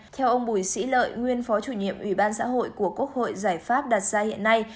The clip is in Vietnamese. theo ông bùi sĩ lợi nguyên phó chủ nhiệm ủy ban xã hội của quốc hội giải pháp đặt ra hiện nay